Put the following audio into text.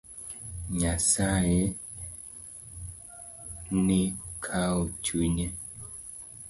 Nyasaye ni kawo chunye.